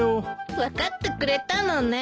分かってくれたのね。